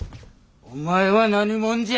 お前は何者じゃ。